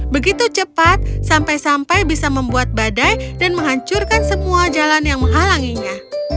begitu cepat sampai sampai bisa membuat badai dan menghancurkan semua jalan yang menghalanginya